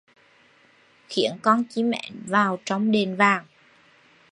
Khiến con chim én vào trong đền vàng